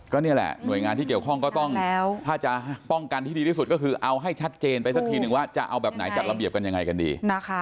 ก็นี่แหละหน่วยงานที่เกี่ยวข้องก็ต้องถ้าจะป้องกันที่ดีที่สุดก็คือเอาให้ชัดเจนไปสักทีนึงว่าจะเอาแบบไหนจัดระเบียบกันยังไงกันดี